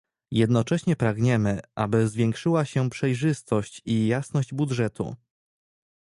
Jednocześnie pragniemy, aby zwiększyła się przejrzystość i jasność budżetu